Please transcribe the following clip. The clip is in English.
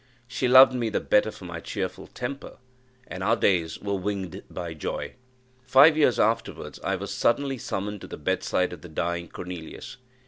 She loved me the better for my cheerful temper, and our days were winged by joy. Five years afterwards I was suddenly summoned to the bedside of the dying Cornelius.